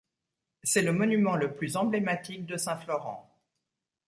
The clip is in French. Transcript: C'est le monument le plus emblématique de Saint-Florent.